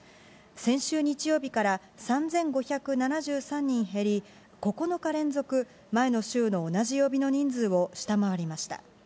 先週日曜日から３５７３人減り、９日連続前の週の同じ曜日の人数を下回りました。